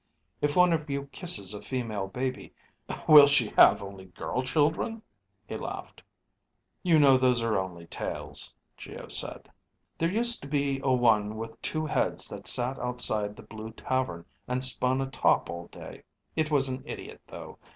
If one of you kisses a female baby, will she have only girl children?" He laughed. "You know those are only tales," Geo said. "There used to be a one with two heads that sat outside the Blue Tavern and spun a top all day. It was an idiot, though.